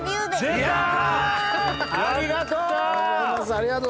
ありがとう！